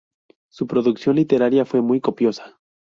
Su producción literaria fue muy copiosa.